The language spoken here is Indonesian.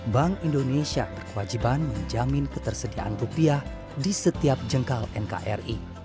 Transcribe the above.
bank indonesia berkewajiban menjamin ketersediaan rupiah di setiap jengkal nkri